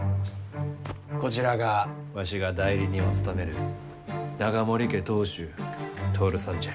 こちらがわしが代理人を務める永守家当主徹さんじゃ。